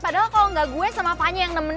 padahal kalo gak gue sama fanya yang nemenin lo